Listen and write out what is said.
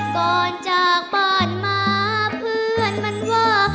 ก่อนจากบ้านมาเพื่อนมันว่า